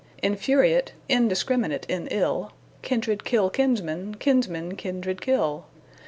Infuriate, indiscrminate in ill, Kindred kill kinsmen, kinsmen kindred kill.